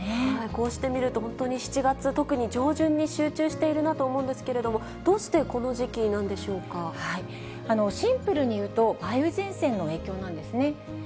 こうして見ると、本当に７月、特に上旬に集中しているなと思うんですけれども、どうしてこの時シンプルに言うと、梅雨前線の影響なんですね。